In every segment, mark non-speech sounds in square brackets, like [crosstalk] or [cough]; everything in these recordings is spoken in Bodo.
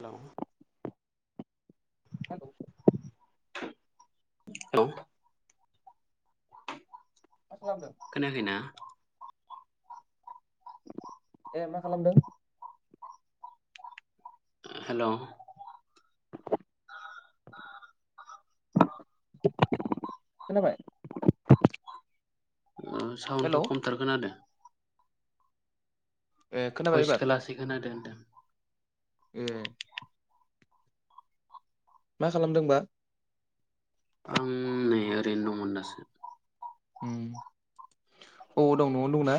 हेलौ? हेलौ। औ। मा खालामदों खोनायाखैना? ए मा खालामदों? हेलौ। खोनाबाय? ओ हेल' साउडखौ खमथार खोनादो‌‌। ए खोनाबाय एबार पयसखो लासोयखोनादो होनदों। ए। मा खालामदोंबा? आं नै ओरैनो दंमोन दासो। उम औ दं न'आवनो दंना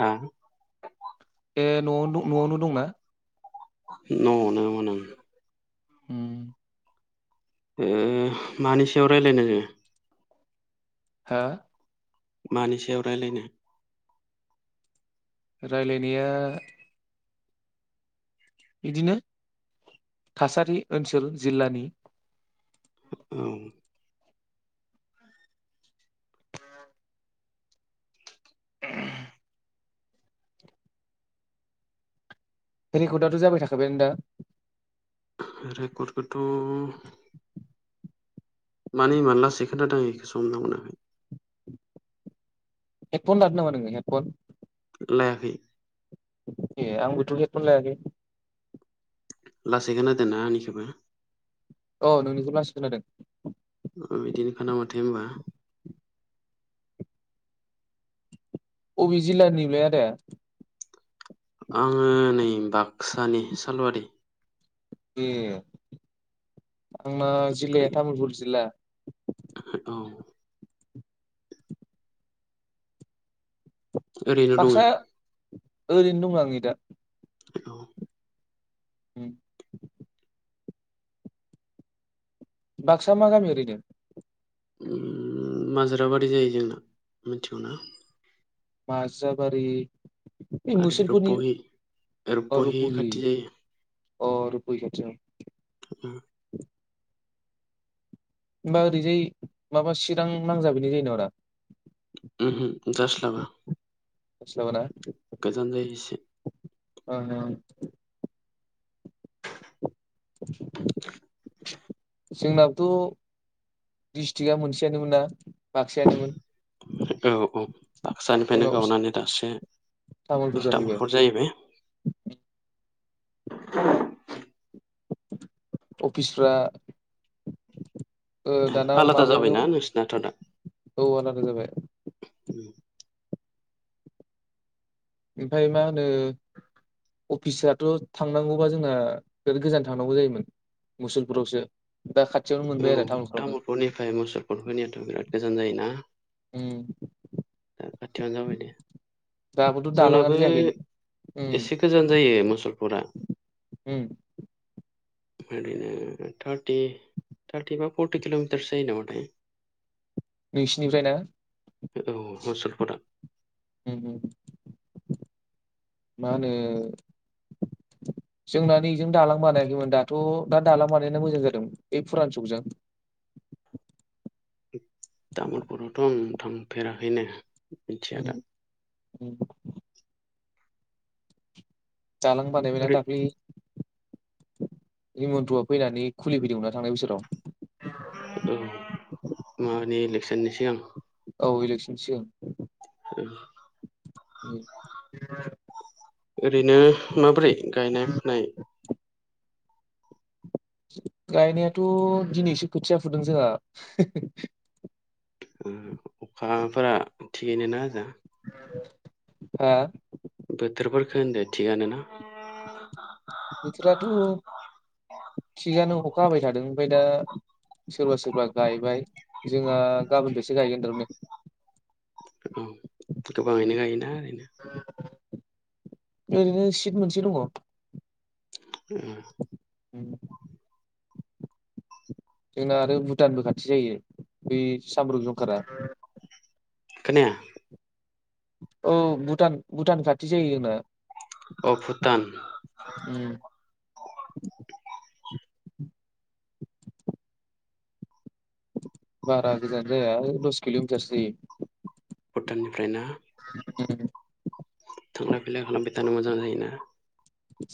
हा? ए न'आव द न'आवनो दंना? न'आव नोमोन आं। हम। ए मानि सायाव रायलायनो नो जोङो? हा? मानि सायाव राय्लायनो? राय्लायनाया यिदिनो थासारि ओनसोल जिल्लानि। औ। रेकर्डआथ' दाथ' जाबाय थाखाबायानो दा? रेकर्डखौथ' [inaudible] मानि यिमान लासैखोनादों यिखौसो हमना मोनाखै। हेदफन लादों नामा नोङो हेदफन? लायाखै। ए आंबोथ' हेदफन लायाखै। लासै खोनादो ना आंनिखौबो? अ नोंनिखौ लासै खोनादों। ओ बिदिनो खोनाबाय थायो होनबा‌। ओबे जिल्लानिमोनलाय आदाया? आङो नै बाक्सानि सालबारि। ए आंना ओमफ्राय जिल्लाया तामुलपुर जिल्ला। [unintelligible] ओरैनो दङो। बाक्सा ओरैनो दं आङो दा। औ। उम। बाक्सा मा गामि ओरैनो? ओम माजोराबारि जायो जोंना मिथिगौना? माजाबारि, बे आरो मुसलपुरनि रुपहि अ रुपहि। खाथि जायो अ रुपहि खाथियाव। ओम। होमबा ओरैजाय माबा चिरां नांजाब हैनाय जायो नामाब्रा? उमहु जास्लाबा। नोंस्लाबाना गोजान जायो एसे। [inaudible] [inaudible] जोंनाबोथ' डिस्ट्रिकआ मोनसेयानोमोन ना बाक्सायानोमोन? औ औ बाक्सानिफ्रायनो उनाव गावनानै दासो तामुलपुर जाहैबाय तामुलफुर जाहैबाय। [inaudible] अफिसफ्रा ओ दाना आलादा माबायावनो जाबायना नोंसिनाथ' दा औ आलादा जाबाय। ओमफाय मा होनो अफिसाथ' थांनांगौबा जोंना बिराद गोजान थांनांगौ जायोमोन। मुसलपुरावसो दा खा औ तामुलपुरनिफ्राय मुसलपुर फैनायाथ' बिराद गोजान जायोना? उम [inaudible] खाथियावनो जाबाय दे। दाबोथ' जोंनाबो दालाङानो जायाखै उम एसे गोजान जायो मसल उम। ओरैनो थारथि थारथि बा फर्टि किल'मिटारसो जायो नामा थाय। नोंसिनिफ्राय ना औ मुसलपुरा। हुम हुम। मा होनो जोंना नै एजों दालां बानायाखैमोन दाथ' दा दालां बानायना मोजां जादों मोन ओइ फुरान चकजों [inaudible] तामुलपुरावथ' आं थांफेराखैनो। मिथिया दा उम उम। दालां बानायबायना ओरै दाल्खै। हिमन्त आ फैनानै खुलिफैदोंमोनना थांनाय बोसोराव। औ मानि इलेकसननि सिगां। औ इलेकसन सिगां। उम। ओरैनो माबोरै गायनाय फुनाय? गायनायाथ' दिनैसो खोथिया फुदों जोंहा। ओ अखाफोरा थिगैनो ना होजों? हा? बोथोरफोरखो होनदो थिगानोना? बोथोराथ' थिगानो अखा हाबाय थादों ओमफाय दा सोरबा-सोरबा गायबाय जोंहा गाबोननिफायसो गायगोन थारमाने। औ गोबाङैनो गायोना ओरैनो? ओरैनो सिट मोनसे दङ। ए। [unintelligible] जोंना आरो भुटानबो खाथि जायो बै सामब्रुप जंखारा। खोनाया। औ भुटान भुटान खाथि जायो जोंना। अह भुटान। [inaudible] बारा गोजान जाया दस किल'मिटार सो जायो। भुटाननिफ्रायना? उम। थांलाय फैलाय खालामबाय थानो मोजां जायोना?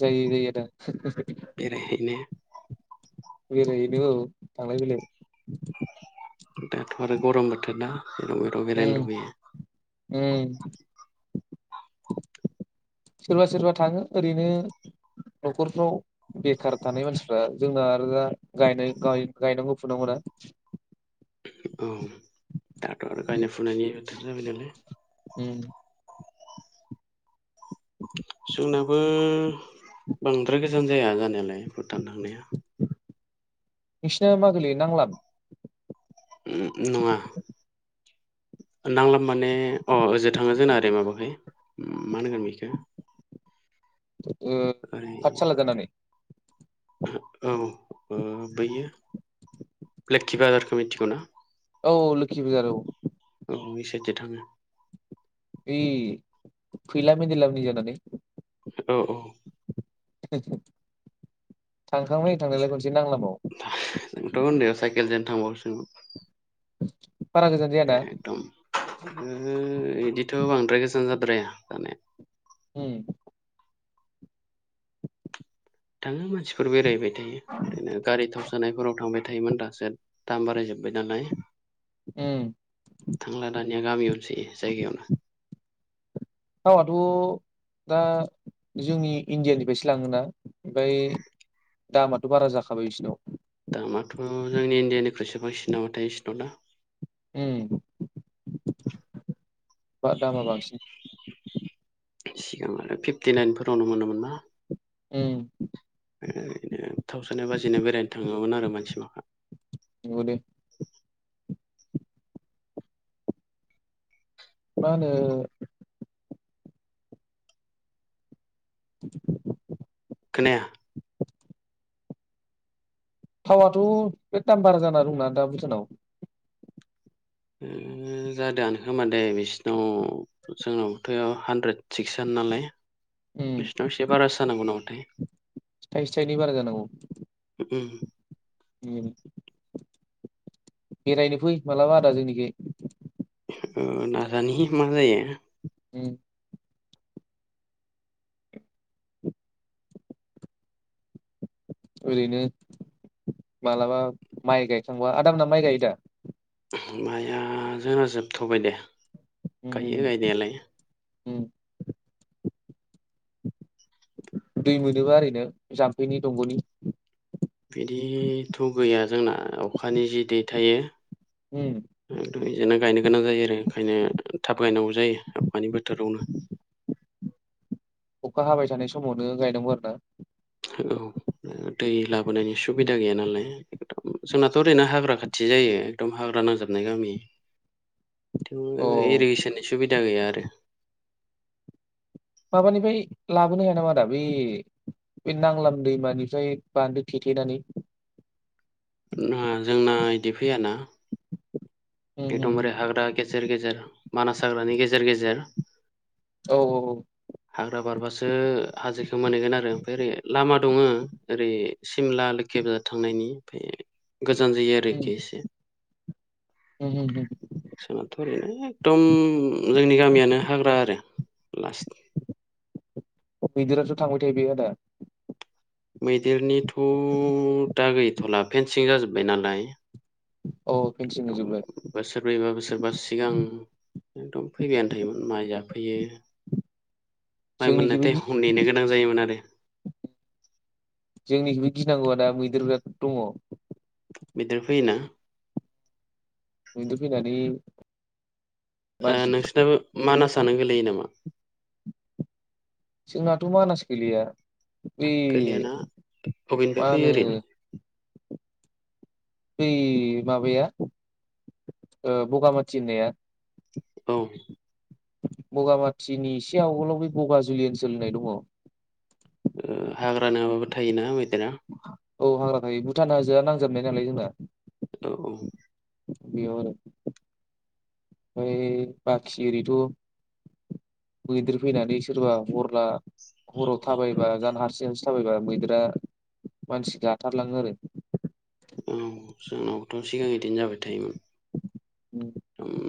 जायो जायो आदा। बेरायहैनो ओरैनो औ थांलाय फैलाय। नोंबोथ' बेरायनो उम लुबैयो? उम। सोरबा सोरबा थाङो ओरैनो न'खरफ्राव बेख औ उम जोंनाबो नोंसिना मागोलैयो नांलाब ओ नङा नांलाम माने अ ओजों थाङो जोंना ओरै माबाखै मानहोनगोन बिखो ओ पाठसाला जानानै औ ओ बैयो लोक्षि बाजारखौ मिथिगौना औ ओ लोखि बुजार औ औ इ साइद दों थाङो ओइ फैला मेन्देला मोननि जानानै औ औ साइदजों थांखांबाय थांनायआलाय खनसे नांलाम आव थांबावगोसो बारा गोजान जाया दा ओ इदिथ बांद्राय गोजान जाद्राया जानाया ओम थाङो मानसिफोर बेरायहैबाय थायो ओरैनो गारि थाव सानायफोराव थांबाय थायोमोन दासो दाम बाराय जोबबाय नालाय ओम गामियावनो सोयो जायगायावनो थाव आथ दा जोंनि इण्डियानिफ्रायसो लाङोना ओमफ्राय दामाथ बारा जाखाबाय बिसिनाव दामाथ जोंनि इण्डियानिख्रुइसो बांसिन नामाथाय बिसिनाव दा ओम बा दामा बांसिन सिगां आरो फिफ्टि नाइन फोरावनो मोनोमोन ना ओम ओरैनो थाव सानाय बाजैनो बेरायनो थाङोमोन आरो मानसि माखा बुं दे मा होनो खोनाया थाव आथ बे दाम बारा जाना दंना दा भुटानाव ओम जादोंआनो खोमा दे बिसिनाव जोंनावथ हानद्रेद सिक्सआनो नालाय उम बिसनाव एसे बारासो जानांगौ नामाथाय थाइसे थाइनै बारा जानांगौ ओम बेरायनो फै मालाबा आदा जोंनिखै ओ नाजानि मा जायो ओम ओरैनो मालाबा माइ गायखांबा आदामोना माइ गायो दा माया जोंना जोबथबाय दे उम उम गायो गायनायालाय उम दै मोनोबा ओरैनो जाम्फैनि दंग नि बिदिथ गैया जोंना अखानि जि दै थायो उम बिदिनो गायनो गोनां जायो आरो ओंखायनो थाब गायनांगौ जायो हानि बोथोरावनो अखा हाबाय थानाय समावनो गायनांगौ आरो ना। औ दै लाबोनायनि उम सुबिदा गैया नालाय एम जोंनाथ' ओरैनो हाग्रा खाथि जायो एकदम हाग्रा नांजाबनाय गामि उ औ इरिगेसननि सुबिदा गैया आरो। माबानिफ्राय लाबोनो हाया नामा आदा बे बे नांलाम दैमानिफ्राय बान्दो थेथेनानै जोंना बिदि फैयाना उम उम उम एकदमबारे हाग्रा गेजेर गेजेर मानास हाग्रानि गेजेर गेजेर औ औ हाग्रा बारबासो हाजोखौ मोनहैगोन आरो ओमफ्राय ओरै लामा दङ ओरै सिमला लोखि बाजार थांनायनि ओमफ्राय गोजान जायो आरो इखि एसे हु हु। जोंनाथ' ओरैनो एकदम जोंनि गामियानो हाग्रा आरो लास्ट मैदेराथ' थांबाय थायो बे आदा मैदेरनिथ' दा गैथ'ला फेनसिं जाजोब्बाय नालाय अ फेनसिं होजोबबाय बोसोरब्रैबा बोसोरबा सिगां एकदम फैबायानो थायोमोन माइ जाफैयो माइ मोननाय जोंनिखिबो गि- ताइमाव नेनो गोनां जायोमोन आरो। जोंनिखौबो गिनांगौआ दा मैदेर बिराद दङ। मैदेर फैयोना। मैदेर फैनानै ओ मानसि नोंसिनाबो मानासानो गोलैयो नामा? जोंनाथ' मानास गैलिया बै गोलैया ना अबेनिफ्राय मा फैयो होनो ओरैनो बै माबाया बगामाथि होननाया। औ। बगामाथिनि एसे आवगोलाव बे बगाजुलि ओनसोल होननाय दङ। हाग्रा नङाबाबो थायोना मैदेरा औ हाग्रााखायो भुटान हाजोआ नांजाबनाय नालाय जोंना। औ औ। बेयाव आरो ओमफ्राय बाखि एओरिथ' मैदेर फैनानै सोरबा हरला हराव थाबायबा जान हारसिं हारसिं थाबायबा मैदेरा मानसि गाथारलाङो आरो। औ जोंनावथ' सिगां बिदिनो जाबाय थायोमोन। उ।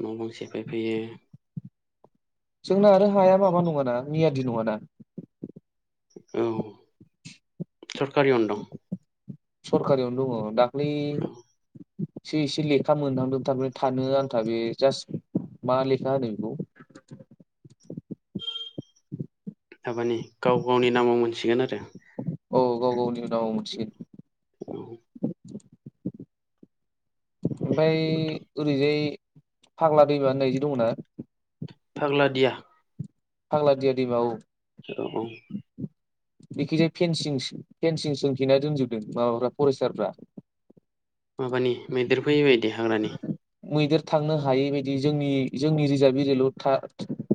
न' बां सेफायफैयो। जोंना आरो हाया माबा नङाना मियादि नङाना औ सरकारियावनो दं। सरखारियावनो दङ दाख्लै औ एसे एसे लेखा मोनहांदों थारमाने थानो आंथा बे जास्ट मा लेखा बेखौ थाबानि गाव गावनि नामाव मोनसिगोन आरो। औ गाव गावनि नामाव मोनसिगोन। औ [unintelligible] ओमफ्राय औ ओरैजाय फाग्ला दैम होननाय इदि दङना? फाग्ला दिया। फाग्ला दिया दैमा औ। औ बेखैजाय फेनसिं फेंसिंग सोंथेना दोनजोबदों माबाफ्रा फरेस्टारफ्रा। माबानि मैदेर फैयो बायदि हाग्रानि। मैदेर थांनो हायै बायदि जोंनि जोंनि रिजार्भ एरिया'ल' था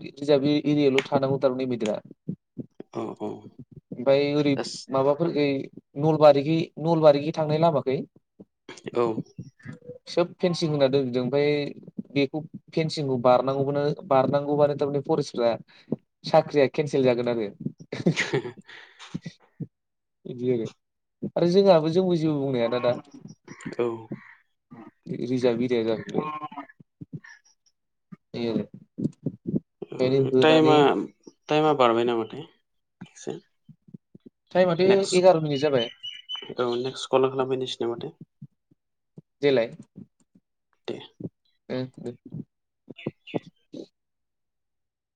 रिजार्भ एरियल' था [unintelligible] औ औ। ओमफाय ओरै दास माबाफोरखै नलबारिखै नलबारिखै थांनाय लामाखै। औ। सोब फेनसिं होना दोनजोबदों ओमफाय बेखौ फेनसिंखौ बारनांगौबानो बारनांगौबानो थारमाने फरेसफ्रा साख्रिया केन्सेल जागोन आरो। [unintelligible] बिदि आरो आरो जोंहाबो जोंबो जेबो बुंनो हाया दादा। औ। रिजाब एरिया जागोन बे। एयो बेनो होनानै तायमा बारबाय नामाथाय एसे। टाइमाथ' एगार' मिनिट जाबाय नेक्सत औ नेक्सत कल खालामफिन्नोसै नामा थाय। देलाय। दे। [unintelligible]